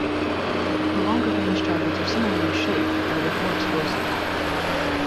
The longer range targets are similarly shaped and are with more explosive.